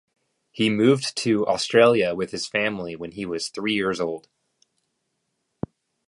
He moved to Australia with his family when he was three years old.